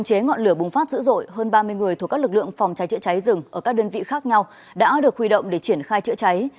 các khu vực khác nhau đã được huy động để triển khai chữa cháy